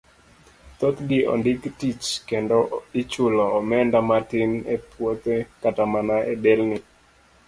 Thoth gi ondiki tich kendo ichulo omenda matin e puothe kata mana e delni.